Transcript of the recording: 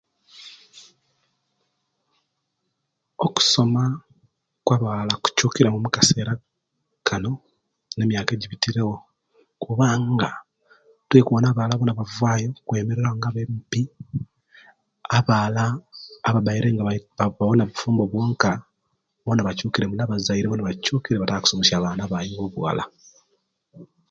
Okusoma kwa baala kuchukiremu mukaseera kanu nemyaka ejibitirewo kubanga tulikuwona abaala bona bavaayo okwemerera nga aba 'MP' , abaala ababbaire nga bawona bufumbo bwonka bona bachukiremu nabazaire bona bachukire bataka kusomesya baana baawe abowuwaala.